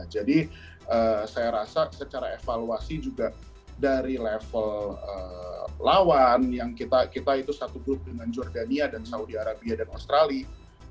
jadi saya rasa secara evaluasi juga dari level lawan yang kita itu satu grup dengan jordania dan saudi arabia dan australia